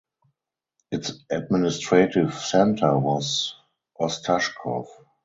Its administrative centre was Ostashkov.